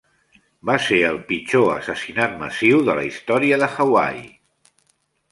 Va ser el pitjor assassinat massiu de la història de Hawaii.